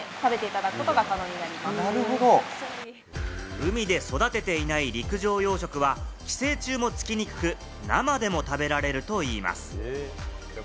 海で育てていない陸上養殖は寄生虫もつきにくく、生でも食べられるといいます。